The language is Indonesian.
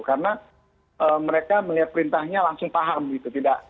karena mereka melihat perintahnya langsung paham gitu